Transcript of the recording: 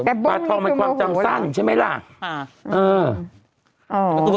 แต่บุ๊คมันนี้คือมือแล้วปุ๊ไฟร์น้องตาทองมันความจำสั่งใช่ไหมล่ะ